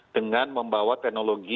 dengan membawa teknologi